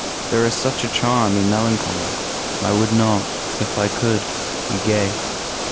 There's such a charm in melancholy, I would not, if I could, be gay.